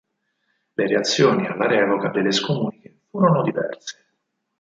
Le reazioni alla revoca delle scomuniche furono diverse.